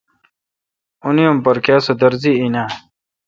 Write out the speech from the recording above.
اُ نی اُم پرکیا سُودرزی این آں؟